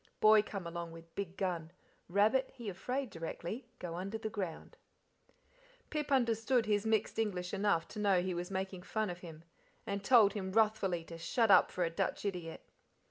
Boy come along with big gun, rabbit he afraid directly, go under the ground." Pip understood his mixed English enough to know he was making fun of him, and told him wrathfully to "shut up for a Dutch idiot."